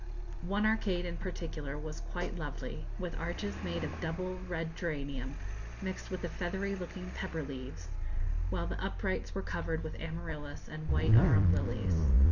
One arcade in particular was quite lovely, with arches made of double red geranium, mixed with the feathery looking pepper leaves, while the uprights were covered with amaryllis and white arum lilies.